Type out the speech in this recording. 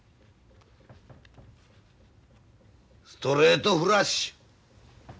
ストレートフラッシュ！